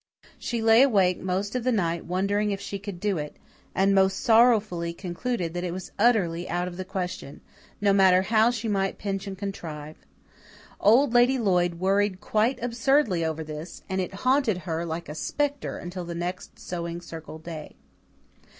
She lay awake most of the night wondering if she could do it, and most sorrowfully concluded that it was utterly out of the question, no matter how she might pinch and contrive. Old Lady Lloyd worried quite absurdly over this, and it haunted her like a spectre until the next Sewing Circle day.